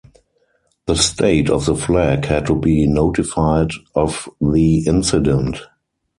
The state of the flag had to be notified of the incident.